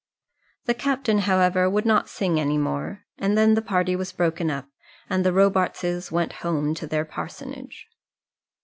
'" The captain, however, would not sing any more. And then the party was broken up, and the Robartses went home to their parsonage.